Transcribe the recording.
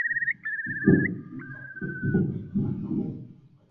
情绪处理的也很不错